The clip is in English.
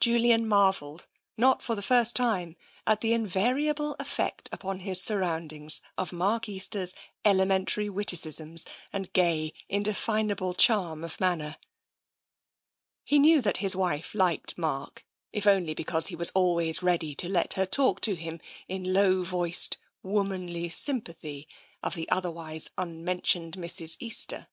Julian marvelled, not at all for the first time, at the invariable effect upon his surroundings of Mark Easter's elementary witticisms and gay, indefinable charm of manner. He knew that his wife liked Mark, if only because he was always ready to let her talk to him in low voiced, womanly sympathy of the otherwise unmen tioned Mrs. Easter.